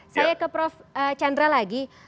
saya ke prof chandra lagi